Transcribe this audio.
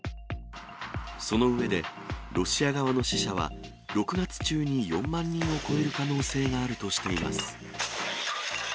その上で、ロシア側の死者は、６月中に４万人を超える可能性があるとしています。